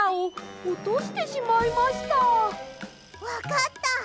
わかった！